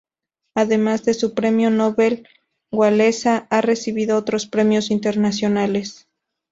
Además de su Premio Nobel, Wałęsa ha recibido otros premios internacionales.